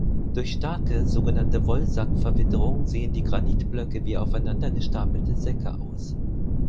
Durch starke, sogenannte Wollsackverwitterung sehen die Granitblöcke wie aufeinander gestapelte Säcke aus.